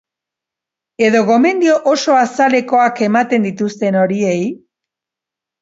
Edo gomendio oso azalekoak ematen dituzten horiei?